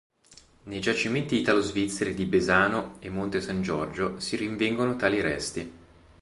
Nei giacimenti italo-svizzeri di Besano e Monte San Giorgio si rinvengono tali resti.